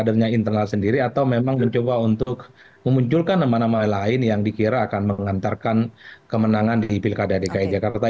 kadernya internal sendiri atau memang mencoba untuk memunculkan nama nama lain yang dikira akan mengantarkan kemenangan di pilkada dki jakarta